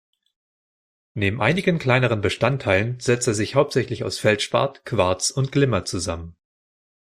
Neben einigen kleineren Bestandteilen setzt er sich hauptsächlich aus Feldspat, Quarz und Glimmer zusammen.